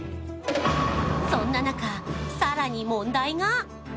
そんな中、更に問題が。